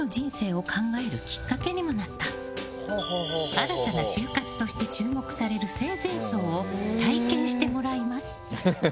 新たな終活として注目される生前葬を体験してもらいます。